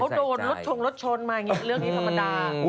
คุณหลุงเขาโดนรถชงรถชนมาอย่างนี้เรื่องนี้ธรรมดา